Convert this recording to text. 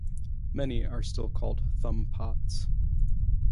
Many are still called thumb-pots.